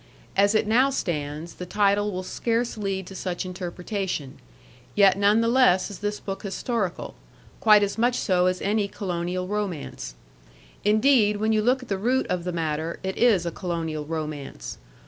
As it now stands, the title will scarce lead to such interpretation; yet none the less is this book historical quite as much so as any colonial romance. Indeed, when you look at the root of the matter, it is a colonial romance.